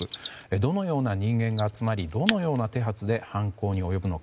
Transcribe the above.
どのような人間が集まりどのような手はずで犯行に及ぶのか。